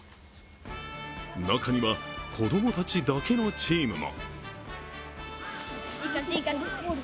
中には子供たちだけのチームも。